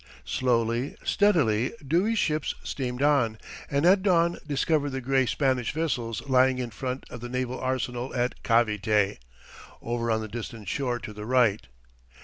Slowly, steadily, Dewey's ships steamed on, and at dawn discovered the gray Spanish vessels lying in front of the naval arsenal at Cavite, over on the distant shore to the right.